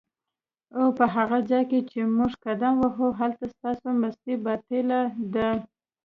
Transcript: اوپه هغه ځای کی چی موږ قدم وهو هلته ستاسو مستی باطیله ده